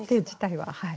はい。